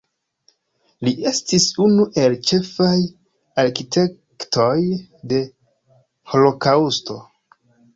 Li estis unu el ĉefaj arkitektoj de holokaŭsto.